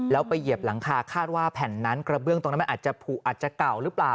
แล้วไปเหยียบหลังคาคาดว่าแผ่นนั้นกระเบื้องตรงนั้นมันอาจจะเก่าหรือเปล่า